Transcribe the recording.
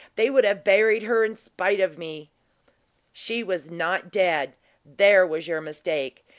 They would have buried her in spite of me." "She was not dead; there was your mistake.